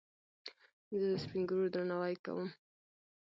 زه سپينږيرو درناوی کوم.